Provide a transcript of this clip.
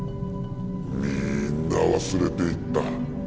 みんな忘れていった。